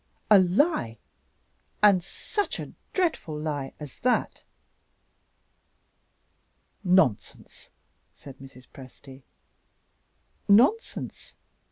A lie and such a dreadful lie as that?" "Nonsense!" said Mrs. Presty. "Nonsense?"